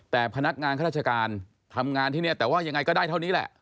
แต่พนักงานข้าราชการทำงานที่นี่แต่ว่ายังไงก็ได้เท่านี้แหละ